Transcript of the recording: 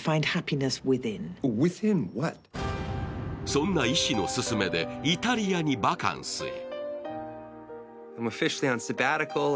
そんな医師の勧めでイタリアにバカンスへ。